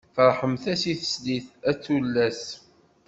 Ferḥemt-as i teslit, a tullas!